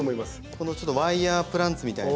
このワイヤープランツみたいな。